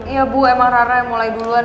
iya bu emang rara yang mulai duluan